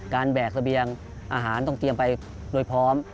แบกเสบียงอาหารต้องเตรียมไปโดยพร้อม